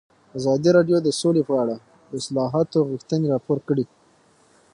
ازادي راډیو د سوله په اړه د اصلاحاتو غوښتنې راپور کړې.